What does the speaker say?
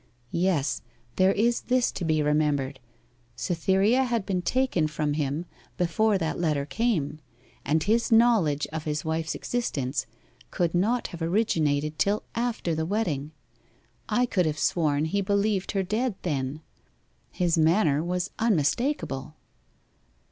'Yes, there is this to be remembered Cytherea had been taken from him before that letter came and his knowledge of his wife's existence could not have originated till after the wedding. I could have sworn he believed her dead then. His manner was unmistakable.